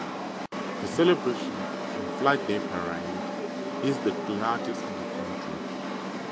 The celebration and Flag Day Parade is the largest in the country.